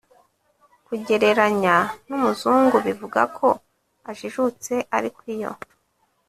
kugereranya n'umuzungu bivuga ko ajijutse, ariko iyo